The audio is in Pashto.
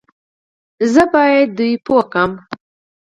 زه بايد دوی پوه کړم